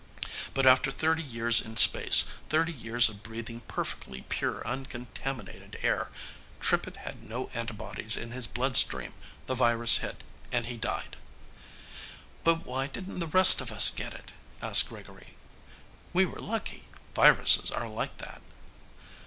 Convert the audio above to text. But after thirty years in space, thirty years of breathing perfectly pure, uncontaminated air, Trippitt had no antibodies in his bloodstream. The virus hit and he died." "But why didn't the rest of us get it?" asked Gregory. "We were lucky. Viruses are like that."